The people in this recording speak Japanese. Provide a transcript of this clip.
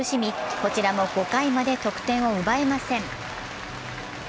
こちらも５回まで得点を奪えません。